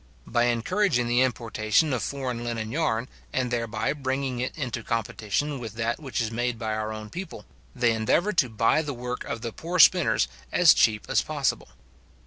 By encouraging the importation of foreign linen yarn, and thereby bringing it into competition with that which is made by our own people, they endeavour to buy the work of the poor spinners as cheap as possible.